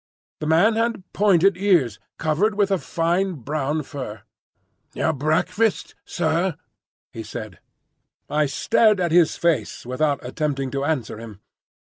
The man had pointed ears, covered with a fine brown fur! "Your breakfast, sair," he said. I stared at his face without attempting to answer him.